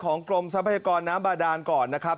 กรมทรัพยากรน้ำบาดานก่อนนะครับ